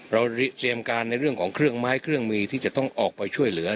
เราเตรียมการในเรื่องของเครื่องไม้เครื่องมือที่จะต้องออกไปช่วยเหลือ